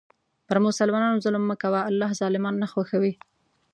پر مسلمانانو ظلم مه کوه، الله ظالمان نه خوښوي.